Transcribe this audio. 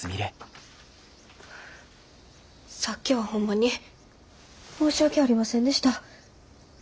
さっきはホンマに申し訳ありませんでした。